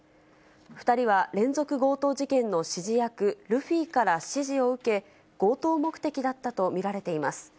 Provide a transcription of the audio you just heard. ２人は連続強盗事件の指示役、ルフィから指示を受け、強盗目的だったと見られています。